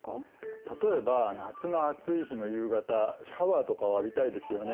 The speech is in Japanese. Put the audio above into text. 例えば夏の暑い日の夕方シャワーとかを浴びたいですよね。